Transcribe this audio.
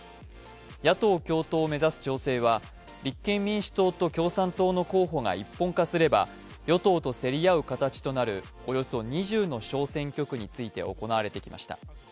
野党共闘を目指す情勢は共産党の候補が一本化すれば与党と競り合う形となるおよそ２０の小選挙区について行われてきました。